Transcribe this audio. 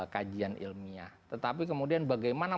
kajian ilmiah tetapi kemudian bagaimana